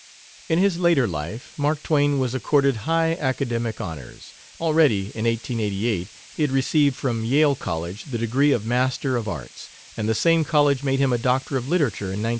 In his later life Mark Twain was accorded high academic honors. Already, in 1888, he had received from Yale College the degree of Master of Arts, and the same college made him a Doctor of Literature in 1901.